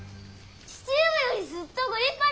父上よりずっとご立派だ！